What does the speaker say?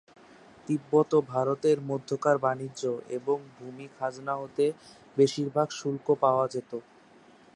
তিব্বত ও ভারতের মধ্যকার বাণিজ্য এবং ভূমি খাজনা হতে বেশিরভাগ শুল্ক পাওয়া যেত।